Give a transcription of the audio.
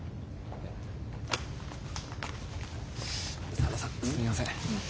佐田さんすみません。